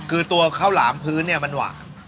คือตัวข้าวหลามพื้นเนี่ยมันหวาน